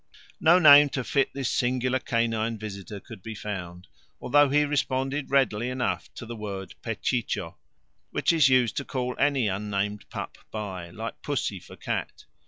No name to fit this singular canine visitor could be found, although he responded readily enough to the word Pechicho, which is used to call any unnamed pup by, like pussy for a cat.